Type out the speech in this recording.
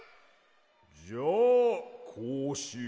じゃあこうしよう。